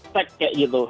cek kayak gitu